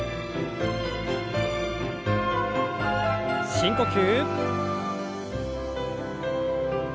深呼吸。